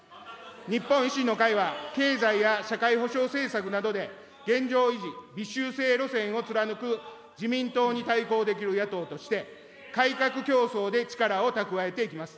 日本維新の会は、経済や社会保障政策などで現状維持、微修正路線を貫く自民党に対抗できる野党として、改革競争で力を蓄えていきます。